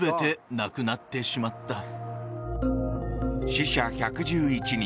死者１１１人。